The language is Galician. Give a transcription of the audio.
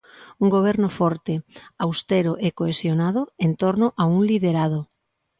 Un goberno forte, austero e cohesionado en torno a un liderado.